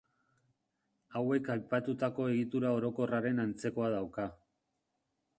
Hauek aipatutako egitura orokorraren antzekoa dauka.